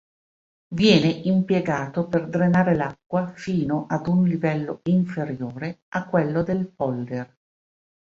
Viene impiegato per drenare l'acqua fino ad un livello inferiore a quello del polder.